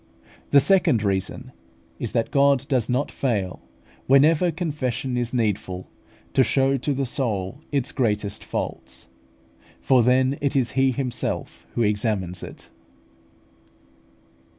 The second reason is, that God does not fail, whenever confession is needful, to show to the soul its greatest faults, for then it is He Himself who examines it.